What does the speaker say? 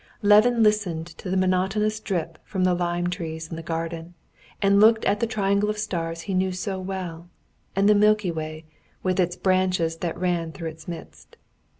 Levin listened to the monotonous drip from the lime trees in the garden, and looked at the triangle of stars he knew so well, and the Milky Way with its branches that ran through its midst.